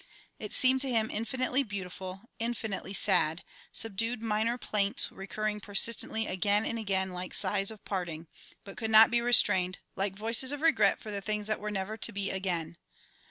It seemed to him infinitely beautiful, infinitely sad, subdued minor plaints recurring persistently again and again like sighs of parting, but could not be restrained, like voices of regret for the things that were never to be again.